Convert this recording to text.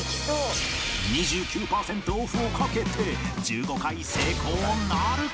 ２９パーセントオフを懸けて１５回成功なるか？